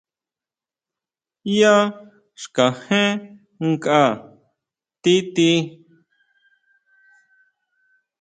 Yá xkajén nkʼa ti tí.